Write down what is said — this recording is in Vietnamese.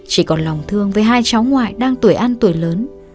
chỉ còn lòng thương với hai cháu ngoại đang tuổi ăn tuổi lớn